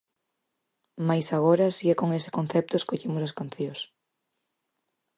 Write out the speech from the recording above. Mais agora si e con ese concepto escollemos as cancións.